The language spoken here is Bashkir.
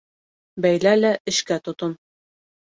Бәйлә лә эшкә тотон.